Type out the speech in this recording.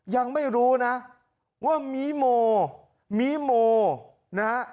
ยังไม่รู้นะว่ามีโมมีโมนะฮะ